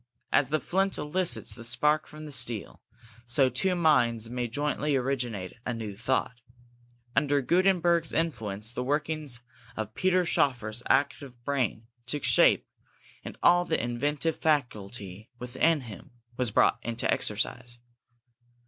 As the flint elicits the spark from the steel, so two minds may jointly originate a new thought. Under Gutenberg's influence the workings of Peter Schoeffer's active brain took shape, and all the inventive faculty within him was brought into exercise.